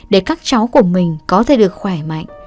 để các cháu của mình có thể được khỏe mạnh